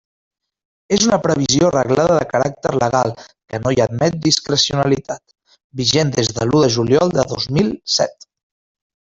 És una previsió reglada de caràcter legal que no hi admet discrecionalitat, vigent des de l'u de juliol de dos mil set.